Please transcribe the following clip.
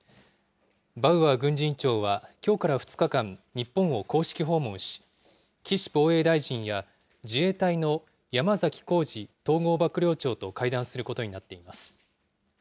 バウアー軍事委員長は、きょうから２日間、日本を公式訪問し、岸防衛大臣や、自衛隊の山崎幸二統合幕僚長と会談することになっています。